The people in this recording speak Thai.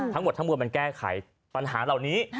ทั้งหมดทั้งมวลมันแก้ไขปัญหาเหล่านี้